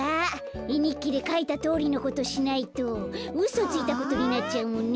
えにっきでかいたとおりのことしないとうそついたことになっちゃうもんね。